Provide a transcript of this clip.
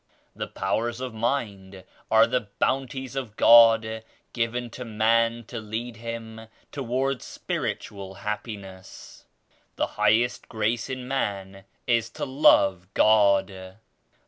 The powers of mind are the boun ties of God given to man to lead him toward spiritual happiness. The highest grace in man is to love God.